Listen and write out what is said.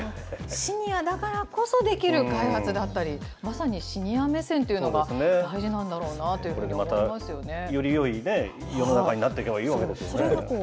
シニアだからこそできる開発だったり、まさにシニア目線というのが大事なんだろうなというふこれでまた、よりよい世の中になっていけばいいんですよね。